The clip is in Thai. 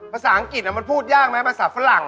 ภาษาอังกฤษมันพูดยากไหมภาษาฝรั่ง